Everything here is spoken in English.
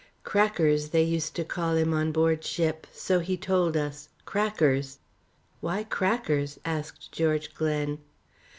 Crackers they used to call him on board ship, so he told us 'Crackers.'" "Why Crackers?" asked George Glen.